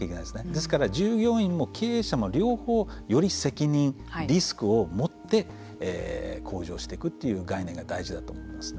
ですから、従業員も経営者も両方より責任、リスクをもって向上していくという概念が大事だと思いますね。